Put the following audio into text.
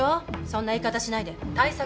そんな言い方しないで対策